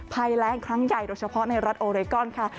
ภัยแรงครั้งใหญ่โดยเฉพาะในรัฐโอเรกอนค่ะ